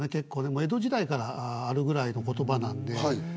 江戸時代からあるぐらいの言葉なんで。